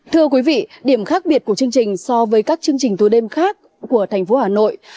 thưa quý vị điểm khác biệt của chương trình so với các chương trình tối đêm khác của thành phố hà nội